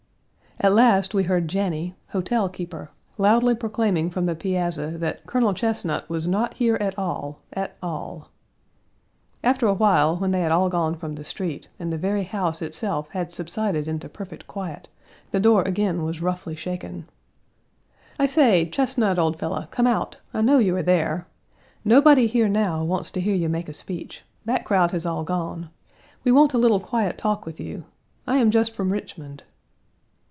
At last we heard Janney (hotel keeper) loudly proclaiming from the piazza that "Colonel Chesnut was not here at all, at all. " After a while, when they had all gone from the street, and the very house itself had subsided into perfect quiet, the door again was roughly shaken. "I say, Chesnut, old fellow, come out I know you are there. Nobody here now wants to hear you make a speech. That crowd has all gone. We want a little quiet talk with you. I am just from Richmond."